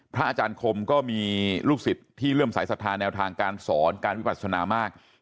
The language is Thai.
อาจารย์คมก็มีลูกศิษย์ที่เริ่มสายศรัทธาแนวทางการสอนการวิปัศนามาก